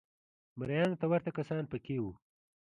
مریانو ته ورته کسان په کې وو